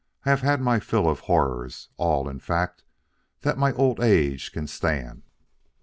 I have had my fill of horrors; all, in fact, that my old age can stand."